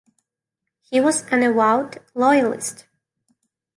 He was an avowed Loyalist.